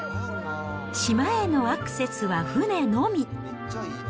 島へのアクセスは船のみ。